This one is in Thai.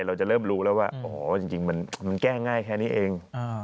เราจะเริ่มรู้แล้วว่าอ๋อจริงมันแก้ง่ายแค่นี้เอง